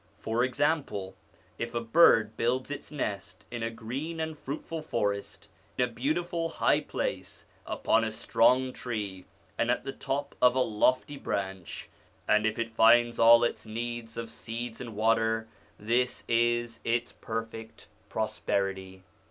For example, if a bird builds its nest in a green and fruitful forest, in a beautiful high place, upon a strong tree, and at the top of a lofty branch, and if it finds all it needs of seeds and water, this is its perfect prosperity.